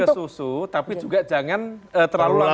ojo ke susu tapi juga jangan terlalu lama